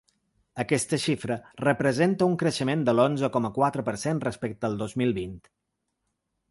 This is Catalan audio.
Aquesta xifra representa un creixement de l’onze coma quatre per cent respecte al dos mil vint.